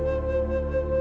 aku terlalu berharga